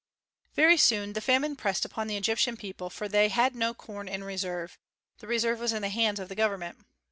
Very soon the famine pressed upon the Egyptian people, for they had no corn in reserve; the reserve was in the hands of the government.